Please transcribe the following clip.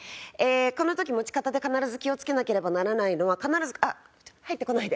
この時持ち方で必ず気を付けなければならないのは必ずあっ入ってこないで。